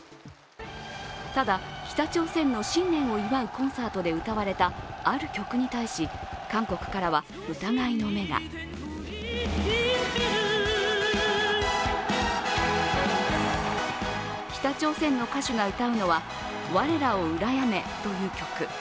ただ、北朝鮮の新年を祝うコンサートで歌われたある曲に対し韓国からは疑いの目が北朝鮮の歌手が歌うのは「我らをうらやめ」という曲。